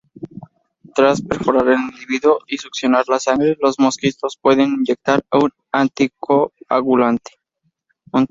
Tras perforar al individuo y succionar la sangre, los mosquitos pueden inyectar un anticoagulante.